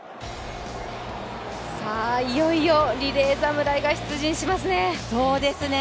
いよいよリレー侍が出陣しますね。